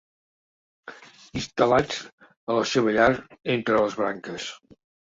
Instal·lats a la seva llar entre les branques.